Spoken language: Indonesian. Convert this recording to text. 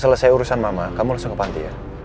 selesai urusan mama kamu langsung ke panti ya